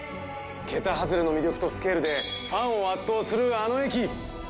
桁外れの魅力とスケールでファンを圧倒するあの駅。